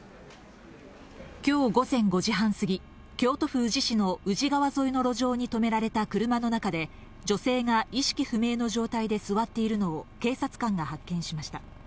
きょう午前５時半過ぎ、京都府宇治市の宇治川沿いの路上に止められた車の中で、女性が意識不明の状態で座っているのを警察官が発見しました。